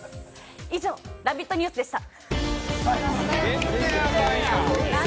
以上、「ラヴィット！ニュース」でした。